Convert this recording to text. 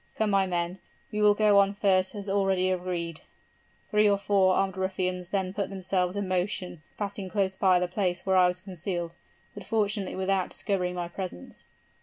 Come, my men, we will go on first, as already agreed.' Three or four armed ruffians then put themselves in motion, passing close by the place where I was concealed, but fortunately without discovering my presence."